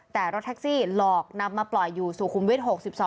แต่รถแท็กซี่หลอกนำมาปล่อยอยู่สุขุมวิทย์๖๒